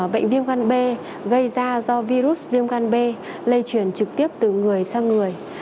bệnh viêm gan b gây ra do virus viêm gan b lây truyền trực tiếp từ người sang người